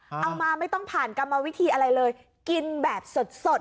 เอามาไม่ต้องผ่านกรรมวิธีอะไรเลยกินแบบสด